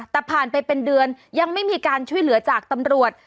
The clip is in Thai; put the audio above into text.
แต่ผ่านไปเป็นเดือนยังไม่มีการช่วยเหลือจากตำรวจ